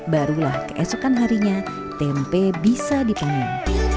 barulah keesokan harinya tempe bisa dipanen